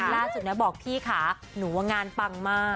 ล่าสุดนะบอกพี่ค่ะหนูว่างานปังมาก